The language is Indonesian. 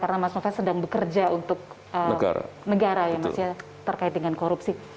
karena mas sofal sedang bekerja untuk negara yang masih terkait dengan korupsi